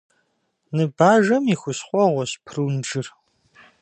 Ныбажэм и хущхъуэгъуэщ прунжыр.